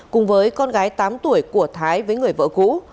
cùng với con gái tám tuổi của thái với người vợ cũ